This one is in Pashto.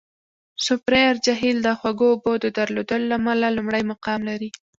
سوپریر جهیل د خوږو اوبو د درلودلو له امله لومړی مقام لري.